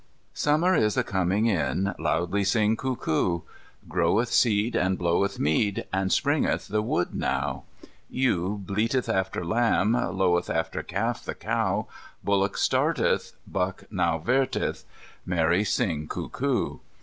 "Summer is a coming in, Loudly sing cuckoo. Groweth seed and bloweth mead, And springeth the wood now. Ewe bleateth after lamb, Lowth after calf the cow, Bullock starteth, Buck now verteth, Merry sing cuckoo.